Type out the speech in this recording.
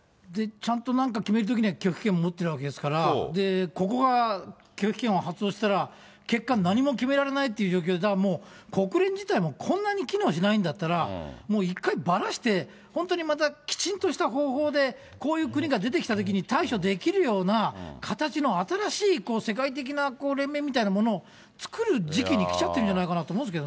で、ちゃんと、なんか決めるときには拒否権持ってるわけですから、ここが拒否権を発動したら、結果、何も決められないっていう状況で、だからもう国連自体もこんなに機能しないんだったら、もう一回、ばらして、本当にまたきちんとした方法で、こういう国が出てきたときに対処できるような形の新しい世界的な連盟みたいなものを作る時期にきちゃってるんじゃないかなと思う